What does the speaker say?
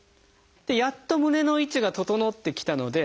やっと胸の位置が整ってきたので。